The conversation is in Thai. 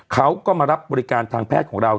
เขาก็มารับบริการทางแพทย์ของเรา